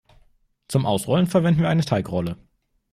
Zum Ausrollen verwenden wir eine Teigrolle.